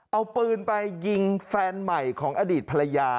เอาปืนไปยิงแฟนใหม่ของอดีตภรรยา